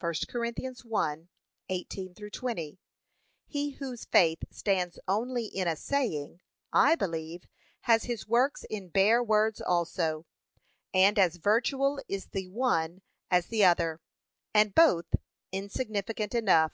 (1 Cor. 1:18 20)' He whose faith stands only in a saying, I believe, has his works in bare words also, and as virtual is the one as the other, and both insignificant enough.